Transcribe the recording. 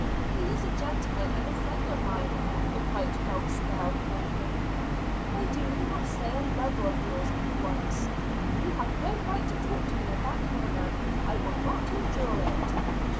"He is a gentleman, and a friend of mine," replied Dulcibel warmly. "Why do you not say a lover of yours, at once?" "You have no right to talk to me in that manner. I will not endure it."